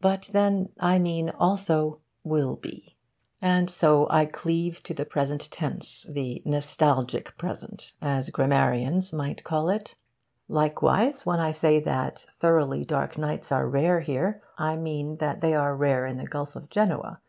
But then, I mean also will be. And so I cleave to the present tense the nostalgic present, as grammarians might call it. Likewise, when I say that thoroughly dark nights are rare here, I mean that they are rare in the Gulf of Genoa.